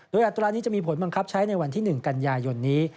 โดยอัตรานี้จะมีผลบังคับใช้ในวันที่๑กันยายนนี้